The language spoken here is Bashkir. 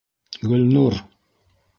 - Гөлнур!